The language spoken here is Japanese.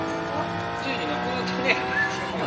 ついになくなったね。